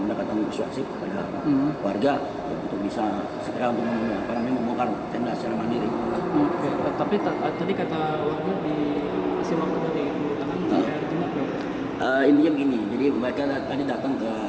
nantinya tenda tenda ini yang tinggal di sana